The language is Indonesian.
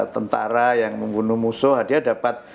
tentara yang membunuh musuh dia dapat